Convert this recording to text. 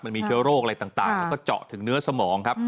มันมีเชื้อโรคอะไรต่างแล้วก็เจาะถึงเนื้อสมองครับ